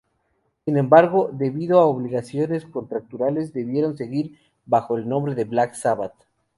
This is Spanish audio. Sin embargo, debido a obligaciones contractuales, debieron seguir bajo el nombre de Black Sabbath.